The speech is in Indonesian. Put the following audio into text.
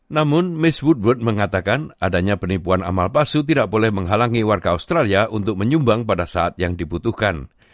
namun miss woodboard mengatakan adanya penipuan amal palsu tidak boleh menghalangi warga australia untuk menyumbang pada saat yang dibutuhkan